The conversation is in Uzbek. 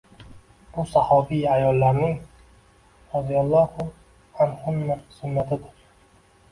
Bu sahobiya ayollarning roziyallohu anhunna sunnatidir